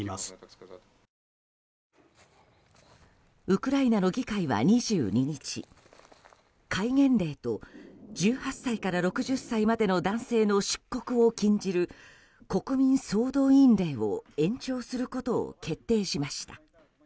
ウクライナの議会は２２日戒厳令と１８歳から６０歳までの男性の出国を禁じる国民総動員令を延長することを決定しました。